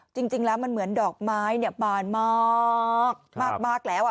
จริงแล้วมันเหมือนดอกไม้บานมากแล้ว